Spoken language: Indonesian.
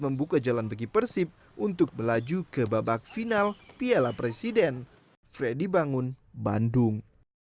membuka jalan bagi persib untuk melaju ke babak final piala presiden freddy bangun bandung